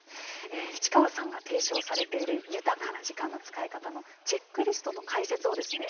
一川さんが提唱されている豊かな時間の使い方のチェックリストと解説をですね